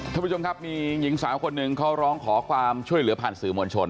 ท่านผู้ชมครับมีหญิงสาวคนหนึ่งเขาร้องขอความช่วยเหลือผ่านสื่อมวลชน